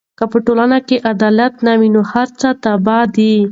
که په ټولنه کې عدالت نه وي، نو هر څه تباه دي.